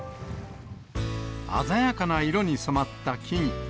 鮮やかな色に染まった木々。